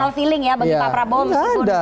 personal feeling ya bagi pak prabu gak ada